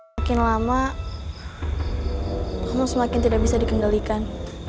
makin lama kamu semakin tidak bisa dikendalikan